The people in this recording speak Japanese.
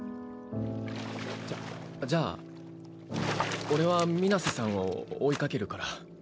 じゃじゃあ俺は水瀬さんを追いかけるから。